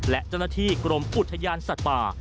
และเจ้าหน้าที่กรมอุทยานสัตว์ป่า